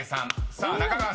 ［さあ中川さん］